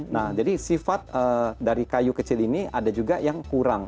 nah jadi sifat dari kayu kecil ini ada juga yang kurang